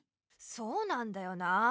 そうなんだよなあ。